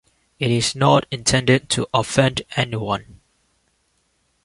It is not intended to offend anyone.